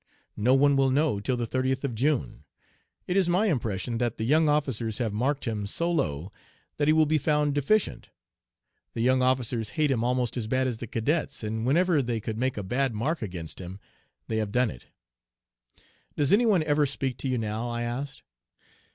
No one will know till the 30th of June. It is my impression that the young officers have marked him so low that he will be found deficient. The young officers hate him almost as bad as the cadets, and whenever they could make a bad mark against him they have done it. "'Does anyone ever speak to you now?' I asked.